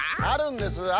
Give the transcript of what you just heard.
あるんです。